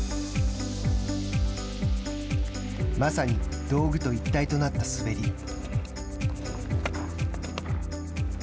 まさに道具と一体となった滑り。